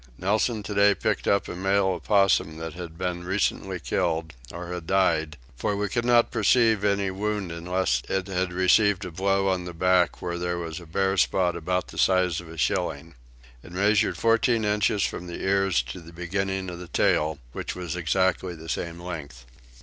Nelson today picked up a male opossum that had been recently killed, or had died, for we could not perceive any wound unless it had received a blow on the back where there was a bare place about the size of a shilling. It measured fourteen inches from the ears to the beginning of the tail which was exactly the same length.